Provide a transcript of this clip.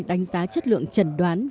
đánh giá chất lượng trần đoán